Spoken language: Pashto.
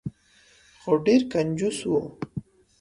خو ډیر کنجوس و.